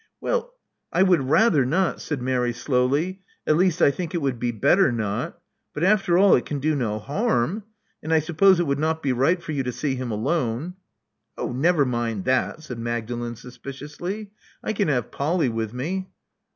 •*Well, I would rather not, " said Mary slowly: at least, I think it would be better not. But after all it can do no harm; and I suppose it would not be right for you to see him alone." •*Oh, never mind that," said Magdalen suspiciously. I can have Polly with me."